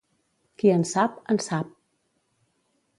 Qui en sap, en sap.